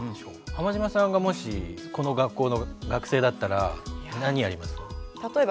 浜島さんがもしこの学校の学生だったら何やります？